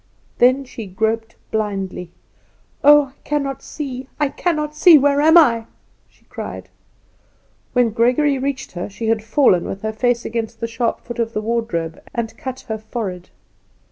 Then she groped blindly. "Oh, I cannot see! I cannot see! Where am I?" she cried. When Gregory reached her she had fallen with her face against the sharp foot of the wardrobe and cut her forehead.